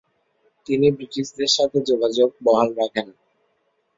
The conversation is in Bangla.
তিনি ব্রিটিশদের সাথে যোগাযোগ বহাল রাখেন।